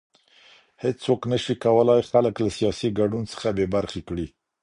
هيڅوک نشي کولای خلګ له سياسي ګډون څخه بې برخي کړي.